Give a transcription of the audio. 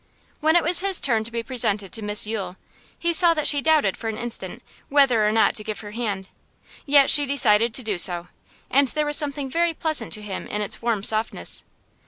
When it was his turn to be presented to Miss Yule, he saw that she doubted for an instant whether or not to give her hand; yet she decided to do so, and there was something very pleasant to him in its warm softness.